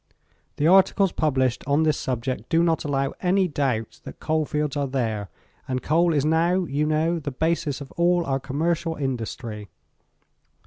The articles published on this subject do not allow any doubt that coal fields are there, and coal is now, you know, the basis of all our commercial industry.